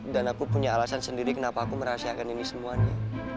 dan aku punya alasan sendiri kenapa aku merahsiakan ini semuanya